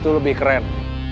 itu lebih keren